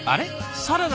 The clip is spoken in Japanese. サラダ。